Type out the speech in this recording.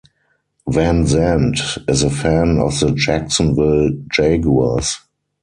Van Zant is a fan of the Jacksonville Jaguars.